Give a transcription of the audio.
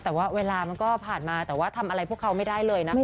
แต่ว่าเวลามันก็ผ่านมาแต่ว่าทำอะไรพวกเขาไม่ได้เลยนะคะ